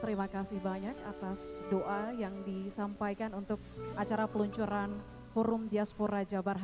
semoga kebal karena tidak akan kembali ke standard